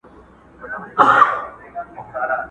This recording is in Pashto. لا هم له پاڼو زرغونه پاته ده٫